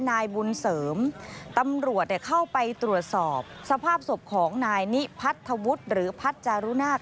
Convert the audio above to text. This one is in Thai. นายบุญเสริมตำรวจเข้าไปตรวจสอบสภาพศพของนายนิพัทธวุฒิหรือพัฒน์จารุนาค